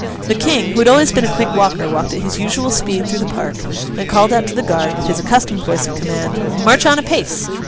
The King, who had always been a quick walker, walked at his usual speed through the Park, and called out to the guard, with his accustomed voice of command, 'March on apace!